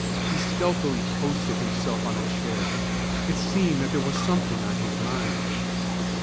He stealthily posted himself on a chair; it seemed that there was something on his mind.